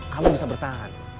kamu bisa bertahan